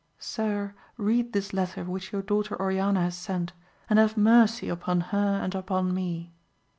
Sir, read this letter which your daughter Oriana has sent, and have mercy upon her and upon me.